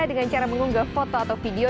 dengan cara mengunggah foto atau video